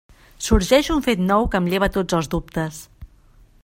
Sorgeix un fet nou que em lleva tots els dubtes.